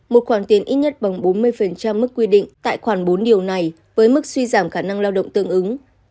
một khoản tiền ít nhất bằng bốn mươi mức quy định tại khoản bốn điều này với mức suy giảm khả năng lao động tương ứng